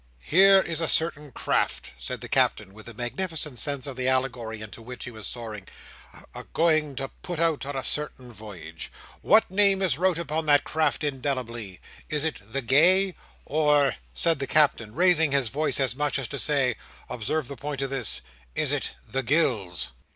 "Here is a certain craft," said the Captain, with a magnificent sense of the allegory into which he was soaring, "a going to put out on a certain voyage. What name is wrote upon that craft indelibly? Is it The Gay? or," said the Captain, raising his voice as much as to say, observe the point of this, "is it The Gills?"